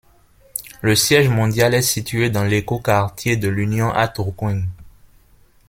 Le siège mondial est situé dans l'écoquartier de l'Union, à Tourcoing.